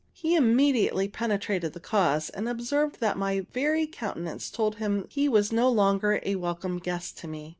He immediately penetrated the cause, and observed that my very countenance told him he was no longer a welcome guest to me.